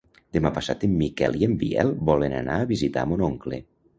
Demà passat en Miquel i en Biel volen anar a visitar mon oncle.